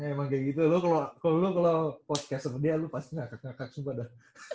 emang kayak gitu lu kalau podcast sama dia lu pasti ngakak ngakak sumpah dah